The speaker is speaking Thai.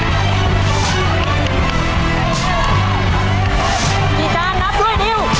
กี่จานนับด้วยดิว